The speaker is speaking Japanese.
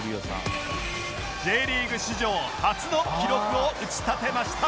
Ｊ リーグ史上初の記録を打ち立てました